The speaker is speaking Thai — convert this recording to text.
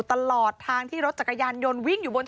ตลอดทางที่รถจักรยานยนต์วิ่งอยู่บน